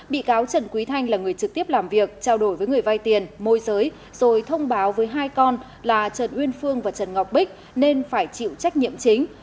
bị cáo trần quý thanh là người trực tiếp làm việc trao đổi với người vay tiền môi giới rồi thông báo với hai con là trần uyên phương và trần ngọc bích nên phải chịu trách nhiệm chính